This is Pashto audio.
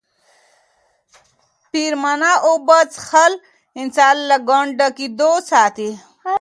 پرېمانه اوبه څښل انسان له ګونډه کېدو ساتي.